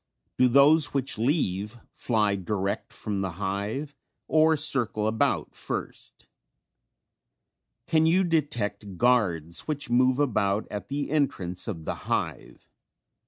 Do those which leave fly direct from the hive or circle about first? Can you detect guards which move about at the entrance of the hive?